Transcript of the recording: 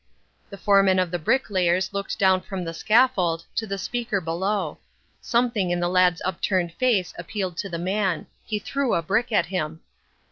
The foreman of the bricklayers looked down from the scaffold to the speaker below. Something in the lad's upturned face appealed to the man. He threw a brick at him.